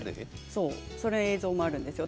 その映像もあるんですよ。